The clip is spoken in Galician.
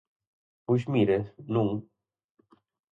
Pois mire, non.